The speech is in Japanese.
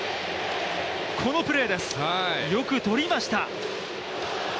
このプレーです、よくとりました。